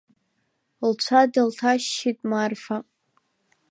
Лцәа дылҭашьшьит Марфа.